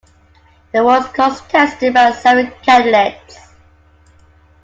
The was contested by seven candidates.